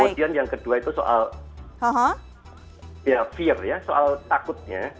kemudian yang kedua itu soal ya fear ya soal takutnya